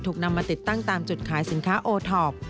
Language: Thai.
นำมาติดตั้งตามจุดขายสินค้าโอทอป